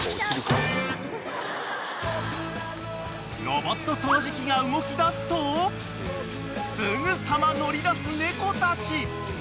［ロボット掃除機が動きだすとすぐさま乗りだす猫たち］